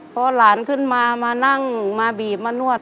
พอหลานขึ้นมามานั่งมาบีบมานวด